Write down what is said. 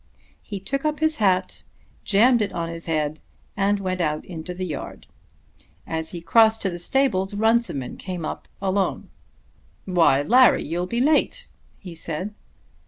He took up his hat, jammed it on his head, and went out into the yard. As he crossed to the stables Runciman came up alone. "Why, Larry, you'll be late," he said.